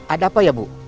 ada apa ya bu